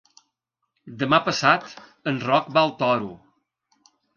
Demà passat en Roc va al Toro.